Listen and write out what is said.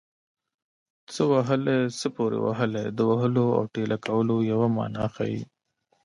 څه وهلی څه پورې وهلی د وهلو او ټېله کولو یوه مانا ښيي